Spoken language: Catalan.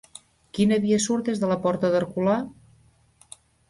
Quina via surt des de la porta d'Herculà?